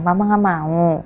mama nggak mau